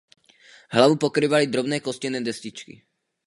Hlavu pokrývaly drobné kostěné destičky.